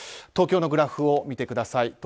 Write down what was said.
東京のグラフを見てください。